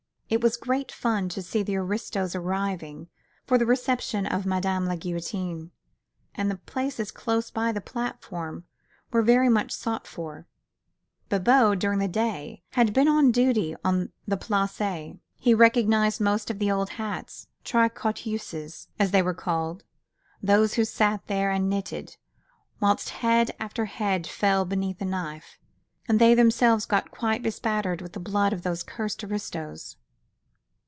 It was great fun to see the aristos arriving for the reception of Madame la Guillotine, and the places close by the platform were very much sought after. Bibot, during the day, had been on duty on the Place. He recognized most of the old hags, "tricotteuses," as they were called, who sat there and knitted, whilst head after head fell beneath the knife, and they themselves got quite bespattered with the blood of those cursed aristos.